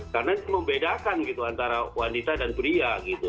karena itu membedakan gitu antara wanita dan pria gitu